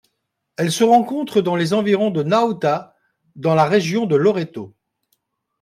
Elle se rencontre dans les environs de Nauta dans la région de Loreto.